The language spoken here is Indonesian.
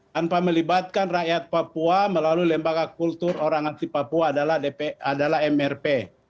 tanpa melibatkan rakyat papua melalui lembaga kultur orang asli papua adalah mrp